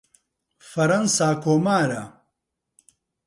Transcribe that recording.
فەرەنسا کۆمارە.